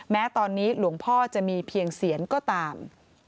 แม้ตอนนี้หลวงพ่อจะมีเพียงเสียนก็ตาม